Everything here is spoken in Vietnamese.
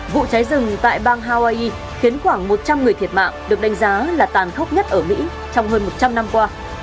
vụ cháy rừng tại bang hawaii khiến khoảng một trăm linh người thiệt mạng được đánh giá là tàn khốc nhất ở mỹ trong hơn một trăm linh năm qua